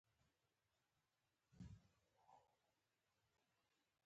بورا د سویو ګلابونو خیرات